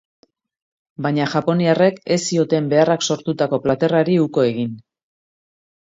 Baina japoniarrek ez zioten beharrak sortutako plater hari uko egin.